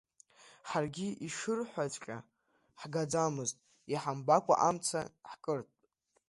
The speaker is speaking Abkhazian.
Ҳаргьы ишырҳәаҵәҟьо ҳгаӡамызт, иҳамбакәа амца ҳкыртә!